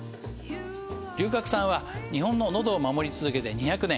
龍角散は日本ののどを守り続けて２００年。